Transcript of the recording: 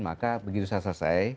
maka begitu saya selesai